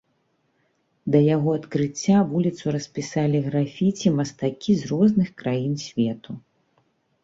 Да яго адкрыцця вуліцу распісалі графіці мастакі з розных краін свету.